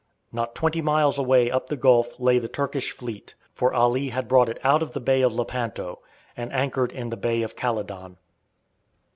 Not twenty miles away up the gulf lay the Turkish fleet, for Ali had brought it out of the Bay of Lepanto, and anchored in the Bay of Calydon.